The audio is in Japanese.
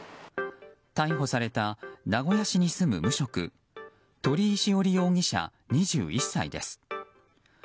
逮捕された名古屋市に住む無職鳥居栞容疑者、２１歳です。